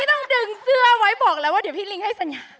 ต้องดึงเสื้อไว้บอกแล้วว่าเดี๋ยวพี่ลิงให้สัญญา